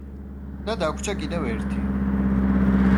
და დაგვრჩა კიდევ ერთი.